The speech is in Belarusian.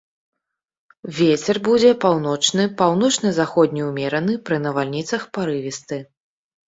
Вецер будзе паўночны, паўночна-заходні ўмераны, пры навальніцах парывісты.